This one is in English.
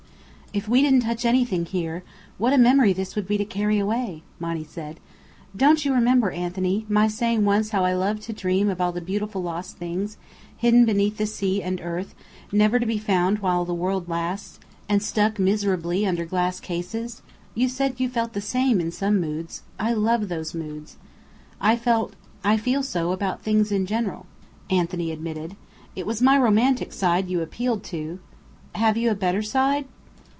"If we didn't touch anything here, what a memory this would be to carry away!" Monny said. "Don't you remember, Anthony, my saying once how I loved to dream of all the beautiful lost things, hidden beneath the sea and earth, never to be found while the world lasts, and stuck miserably under glass cases? You said you felt the same, in some moods. I love those moods!" "I felt I feel so about things in general," Anthony admitted. "It was my romantic side you appealed to " "Have you a better side?"